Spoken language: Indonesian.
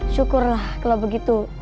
syukurlah kalau begitu